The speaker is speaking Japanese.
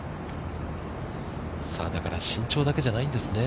さあ、だから、身長だけじゃないんですね。